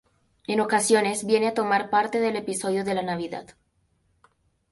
En ocasiones viene a tomar parte del episodio de la Navidad.